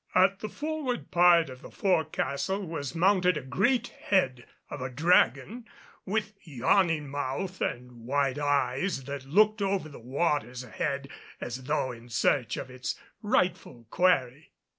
At the forward part of the fore castle was mounted a great head of a dragon, with yawning mouth and wide eyes that looked over the waters ahead as though in search of its rightful quarry.